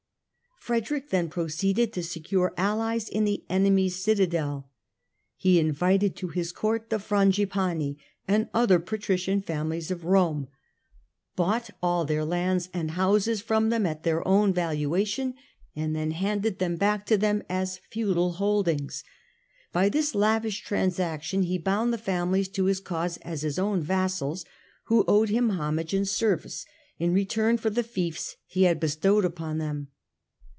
Frederick then proceeded to secure allies in the enemy's citadel. He invited to his Court the Frangipani and other patrician families of Rome, bought all their lands and houses from them at their own valuation, and then handed them back to them as feudal holdings. By this lavish transaction he bound the families to his cause as his own vassals, who owed him homage and service in return for the fiefs he had bestowed upon them.